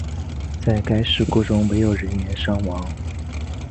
在该事故中没有人员伤亡。